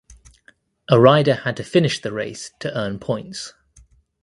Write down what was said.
A rider had to finish the race to earn points.